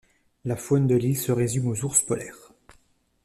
La faune de l'île se résume aux ours polaires.